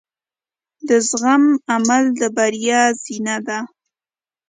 د زغم عمل د بریا زینه ده.